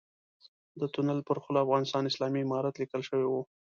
د تونل پر خوله افغانستان اسلامي امارت ليکل شوی و.